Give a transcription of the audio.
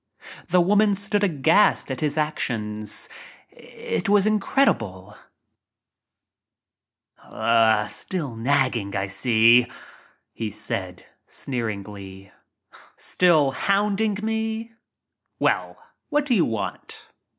The woman stood aghast at his actions. Tt was in credible ! "Still nagging, I see," he said, sneeringly. "Still ing me! Well, what do you want?"